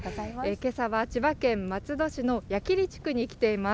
けさは千葉県松戸市の矢切地区に来ています。